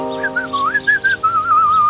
dan kemudian tiba tiba dia berhenti bersiul